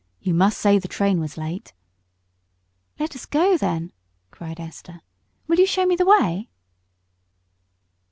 You must say the train was late." "Let us go, then," cried Esther. "Will you show me the way?"